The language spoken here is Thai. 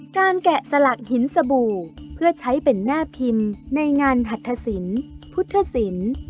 แกะสลักหินสบู่เพื่อใช้เป็นหน้าพิมพ์ในงานหัตถสินพุทธศิลป์